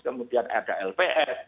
kemudian ada lps